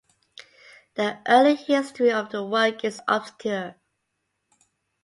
The early history of the work is obscure.